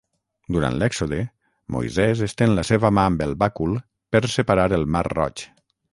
Durant l'Èxode, Moisès estén la seva mà amb el bàcul per separar el Mar Roig.